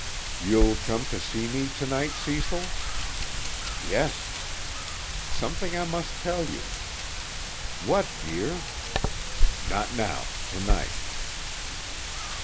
"You'll come to see me tonight, Cecil?" "Yes." "Something I must tell you." "What, dear?" "Not now. Tonight."